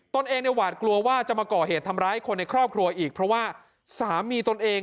เองเนี่ยหวาดกลัวว่าจะมาก่อเหตุทำร้ายคนในครอบครัวอีกเพราะว่าสามีตนเอง